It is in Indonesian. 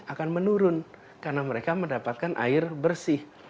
akan menurun karena mereka mendapatkan air bersih